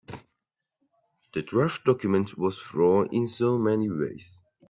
The draft document was flawed in so many ways.